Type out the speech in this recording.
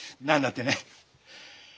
何だってね。